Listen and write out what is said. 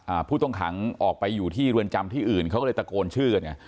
ผู้ต้องขังออกไปอยู่ที่เรือนจำที่อื่นเขาก็เลยตะโกนชื่อกันไง